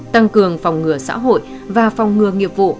tăng cường phòng ngừa xã hội và phòng ngừa nghiệp vụ